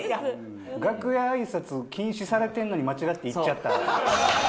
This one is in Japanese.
楽屋あいさつ禁止されてんのに間違って行っちゃった。